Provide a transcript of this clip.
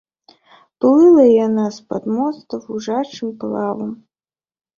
Плыла яна з-пад моста вужачым плавам.